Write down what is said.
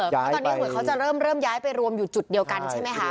เพราะตอนนี้เหมือนเขาจะเริ่มย้ายไปรวมอยู่จุดเดียวกันใช่ไหมคะ